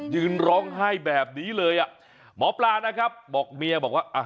ยืนร้องให้แบบนี้เลยหมอปลานะครับบอกเมียว่า